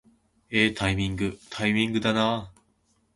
えータイミングー、タイミングだなー